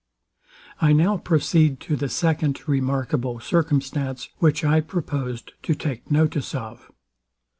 I now proceed to the second remarkable circumstance, which I proposed to take notice of.